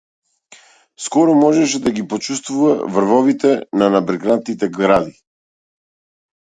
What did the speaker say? Скоро можеше да ги почуствува врвовите на набрекнатите гради.